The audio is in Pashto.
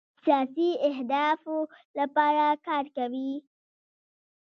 سیاسي اهدافو لپاره کار کوي.